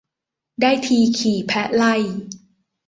ได้ทีขี่แพะไล่